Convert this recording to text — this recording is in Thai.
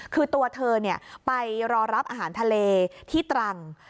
คือตัวเธอไปรอรับอาหารทะเลที่ตรัง